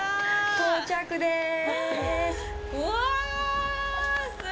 到着でーす。